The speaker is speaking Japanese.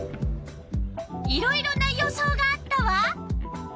いろいろな予想があったわ。